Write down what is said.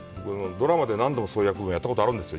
ドラマで何度もそういう役をやったことがあるんですよ。